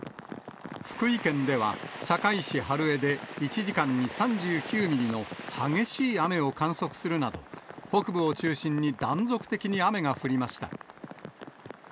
福井県では坂井市春江で１時間に３９ミリの激しい雨を観測するなど、北部を中心に断続的に雨が降りました。